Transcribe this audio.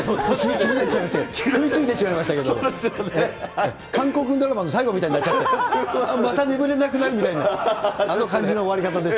気になっちゃいまして、韓国ドラマの最後みたいになっちゃって、また眠れなくなるみたいな、あの感じの終わり方でし